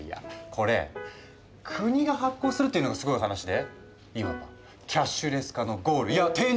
これ国が発行するっていうのがすごい話でいわばキャッシュレス化のゴールいや天竺。